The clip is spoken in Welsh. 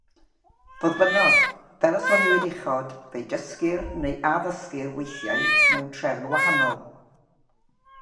Fodd bynnag, fel y soniwyd uchod, fe'u dysgir neu addysgir weithiau mewn trefn wahanol.